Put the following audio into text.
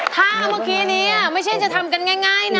ถ้าเมื่อกี้นี้ไม่ใช่จะทำกันง่ายนะ